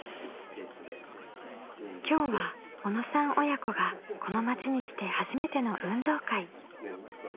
今日は小野さん親子がこの町に来て初めての運動会。